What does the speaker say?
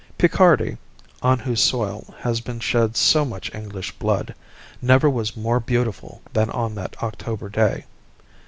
Picardy, on whose soil has been shed so much English blood, never was more beautiful than on that October day.